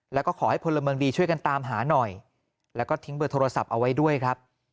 แล้วก็ขอให้พลเมืองดีช่วยกันตามหาหน่อยแล้วก็ทิ้งเบอร์โทรศัพท์เอาไว้ด้วยครับ